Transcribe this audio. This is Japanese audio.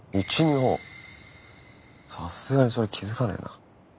さすがにそれ気付かないな。